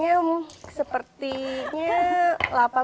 ya ini udah berarti delapan puluh lah